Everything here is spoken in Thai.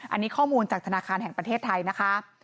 อันนี้ข้อมูลจากธนาคารแห่งประเทศไทยนะคะ